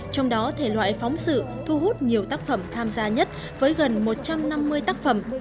trong đó thể loại phóng sự thu hút nhiều tác phẩm tham gia nhất với gần một trăm năm mươi tác phẩm